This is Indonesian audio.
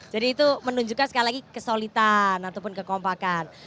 jadi itu menunjukkan sekali lagi kesolidan ataupun kekompakan